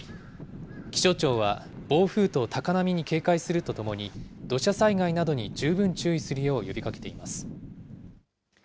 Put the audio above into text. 気象庁は暴風と高波に警戒するとともに、土砂災害などに十分注意するよう呼びかけています。